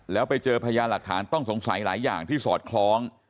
แล้วไปเจอพยานหลักฐานต้องสงสัยหลายอย่างที่สอดคล้อง